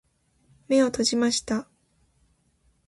目を閉じました。